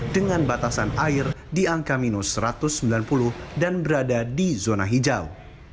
dengan batasan air di angka minus satu ratus sembilan puluh dan berada di zona hijau